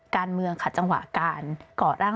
สิ่งที่ประชาชนอยากจะฟัง